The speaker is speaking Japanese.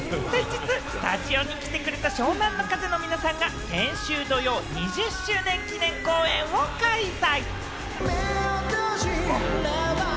先日、スタジオに来てくれた湘南乃風の皆さんが、先週土曜、２０周年記念公演を開催。